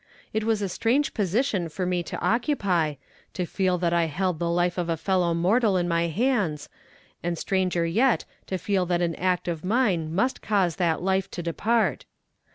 It was a strange position for me to occupy, to feel that I held the life of a fellow mortal in my hands, and stranger yet to feel that an act of mine must cause that life to depart.